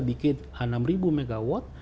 bikin enam ribu megawatt